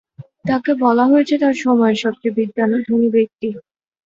তাকে বলা হয়েছে তার সময়ের সবচেয়ে বিদ্বান ও ধনী ব্যক্তি।